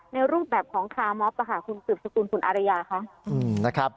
รูปแบบของคาร์มอบคุณสืบสกุลคุณอารยาคะ